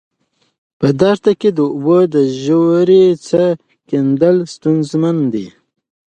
په دښته کې د اوبو د ژورې څاه کیندل ستونزمن دي.